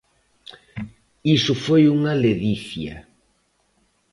Iso foi unha ledicia.